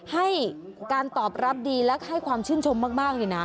ให้การตอบรับดีและให้ความชื่นชมมากเลยนะ